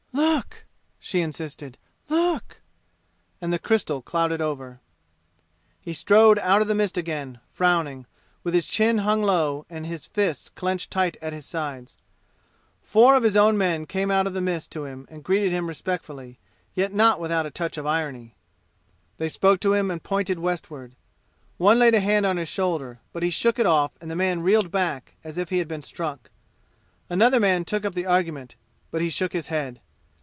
"Look!" she insisted. "Look!" And the crystal clouded over. He strode out of the mist again, frowning, with his chin hung low and fists clenched tight at his sides. Four of his own men came out of the mist to him and greeted him respectfully, yet not without a touch of irony. They spoke to him and pointed westward. One laid a hand on his shoulder, but he shook it off and the man reeled back as if he had been struck. Another man took up the argument, but he shook his head.